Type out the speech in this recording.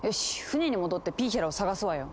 船に戻ってピーヒャラを探すわよ。